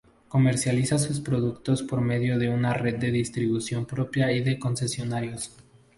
Comercializa sus productos por medio de una red de distribución propia y de concesionarios.